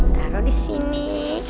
taruh di sini